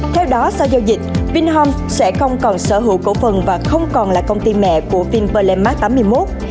theo đó sau giao dịch vingroup sẽ không còn sở hữu cổ phần và không còn là công ty mẹ của vingroup landmark tám mươi một